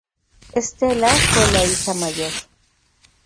Estela fue la hija mayor.